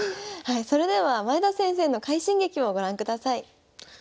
それでは前田先生の快進撃をご覧ください。